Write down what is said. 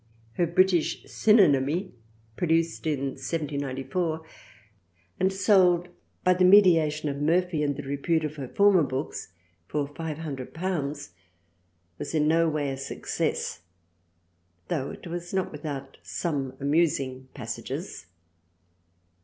Her "British Synonimy" produced in 1794 and sold by the mediation of Murphy and the repute of her former books for ^500 was in no way a success though it was not without some amusing passages.